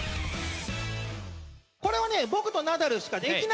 これはね。